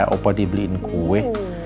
apa dibeliin kue